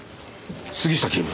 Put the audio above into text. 杉下警部！